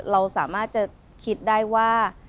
เราสามารถจะคิดได้ว่า